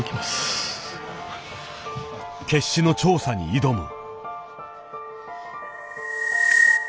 決死の調査に挑む。